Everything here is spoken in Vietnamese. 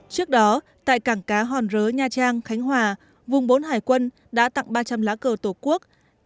trước đó tại cảng cá hòn rớ nha trang khánh hòa vùng bốn hải quân đã tặng ba trăm linh lá cờ tổ quốc